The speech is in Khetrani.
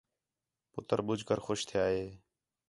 پُتر ٻُجھ کر خوش تِھیا ہِے